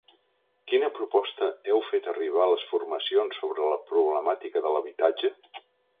Quina proposta heu fet arribar a les formacions sobre la problemàtica de l’habitatge?